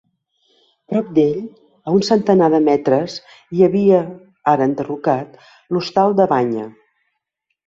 Prop d'ell, a un centenar de metres hi havia, ara enderrocat, l'Hostal de la Banya.